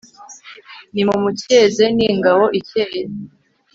Nimumucyeze ni ingabo icyeye